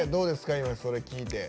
今それを聞いて。